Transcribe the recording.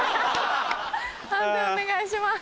判定お願いします。